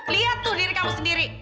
lihat tuh diri kamu sendiri